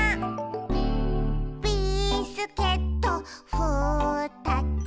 「ビスケットふたつ」